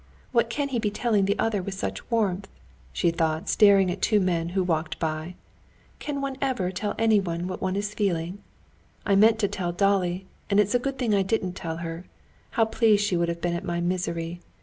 What can he be telling the other with such warmth?" she thought, staring at two men who walked by. "Can one ever tell anyone what one is feeling? I meant to tell Dolly, and it's a good thing I didn't tell her. How pleased she would have been at my misery!